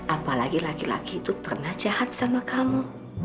apalagi laki laki itu pernah jahat sama kamu